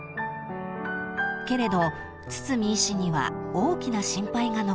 ［けれど堤医師には大きな心配が残っていました］